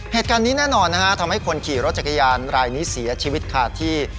เหตุการณ์นี้แน่นอนนะฮะทำให้คนขี่รถจักรยานรายนี้เสียชีวิตขาดที่